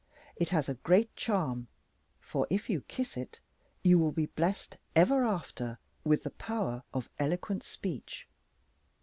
It has a great charm, for, if you kiss it, you will be blessed ever after with the power of eloquent speech.